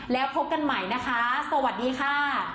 แล้วพบกันใหม่นะคะสวัสดีค่ะ